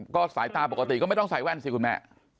ก็สายตาปกติก็ไม่ต้องใส่แว่นสิคุณแม่